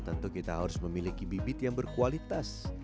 tentu kita harus memiliki bibit yang berkualitas